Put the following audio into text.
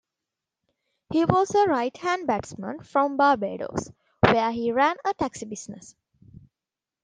He was a right-hand batsman from Barbados, where he ran a taxi business.